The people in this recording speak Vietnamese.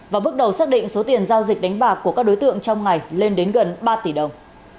và bước đầu xác định số tiền giao dịch đánh bạc của các đối tượng trong ngày lên đến gần ba tỷ đồng